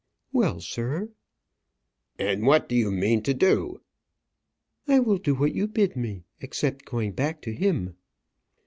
"Well, sir!" "And what do you mean to do?" "I will do what you bid me except going back to him."